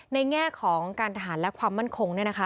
ในแง่ของการทหารและความมั่นคง